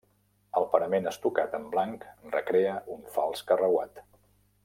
El parament estucat en blanc recrea un fals carreuat.